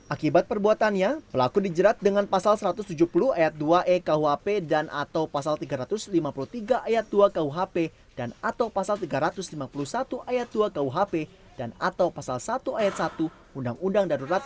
akibat perbuatannya pelaku dijerat dengan pasal satu ratus tujuh puluh ayat dua e kuhp dan atau pasal tiga ratus lima puluh tiga ayat dua kuhp dan atau pasal tiga ratus lima puluh satu ayat dua kuhp dan atau pasal satu ayat satu undang undang darurat